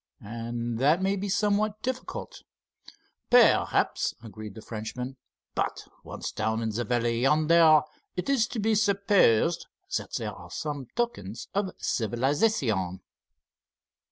"And that may be somewhat difficult." "Perhaps," agreed the Frenchman, "but once down in the valley yonder it is to be supposed there are some tokens of civilization."